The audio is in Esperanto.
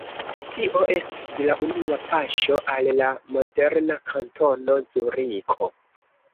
Tio estis la unua paŝo al la moderna Kantono Zuriko.